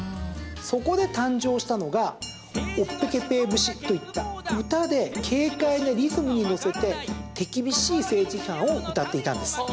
そこで誕生したのが「オッペケペー節」といった歌で軽快なリズムに乗せて手厳しい政治批判を歌っていたんです。